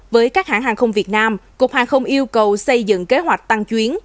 với các hãng hàng không việt nam cục hàng không yêu cầu xây dựng kế hoạch tăng chuyến